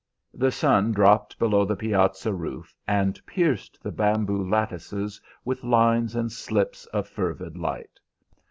The sun dropped below the piazza roof and pierced the bamboo lattices with lines and slits of fervid light.